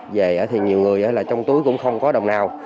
về thì nhiều người là trong túi cũng không có đồng nào